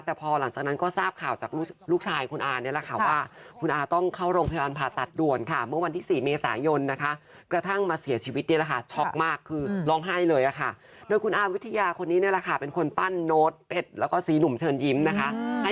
แต่พอหลังจากนั้นก็ทราบข่าวจากลูกชายคุณอาและค่ะว่า